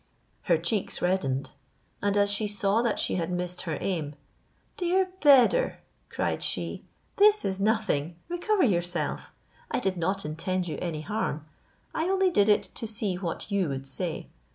Her cheeks reddened; and as she saw that she had missed her aim, "Dear Beder," cried she, "this is nothing; recover yourself. I did not intend you any harm; I only did it to see what you would say.